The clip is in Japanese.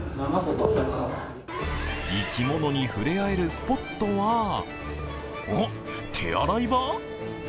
生き物に触れ合えるスポットはおっ、手洗い場？